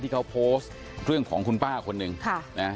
ที่เขาโพสต์เรื่องของคุณป้าคนหนึ่งค่ะนะ